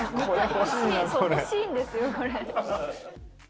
欲しいんですよ、これ。